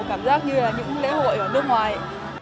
cảm giác như là những lễ hội ở nước ngoài